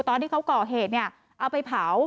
ตอนที่เขาก่อเหตุเอาไปเผา